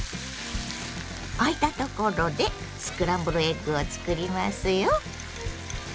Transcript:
あいたところでスクランブルエッグを作りますよ。